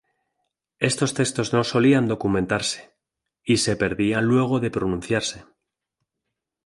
Estos textos no solían documentarse, y se perdían luego de pronunciarse.